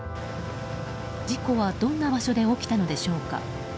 事故はどんな場所で起きたのでしょうか。